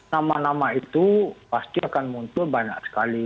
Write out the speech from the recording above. nama nama itu pasti akan muncul banyak sekali